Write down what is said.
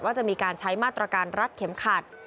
จะมีการใช้มาตรการรัดเข็มขัด